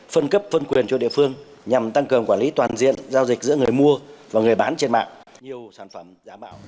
phân cấp phân quyền cho địa phương nhằm tăng cường quản lý toàn diện giao dịch giữa người mua và người bán trên mạng